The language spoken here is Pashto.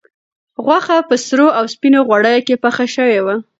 غوښه په سرو او سپینو غوړیو کې پخه شوې وه.